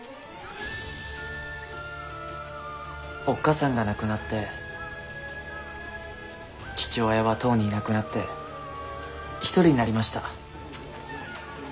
おっかさんが亡くなって父親はとうにいなくなって一人になりました。